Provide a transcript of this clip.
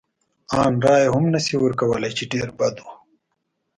ان رایه هم نه شي ورکولای، چې ډېر بد و.